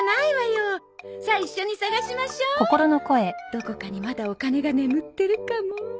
どこかにまだお金が眠ってるかも